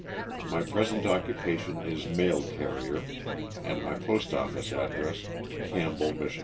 My present occupation is mail carrier, and my post office address, Campbell, Mich.